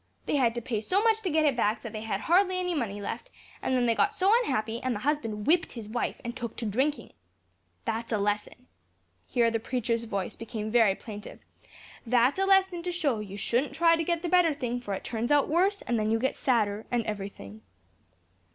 They had to pay so much to get it back, that they had hardly any money left; and then they got so unhappy, and the husband whipped his wife, and took to drinking. That's a lesson." (Here the preacher's voice became very plaintive), "that's a lesson to show you shouldn't try to get the better thing, for it turns out worse, and then you get sadder, and every thing."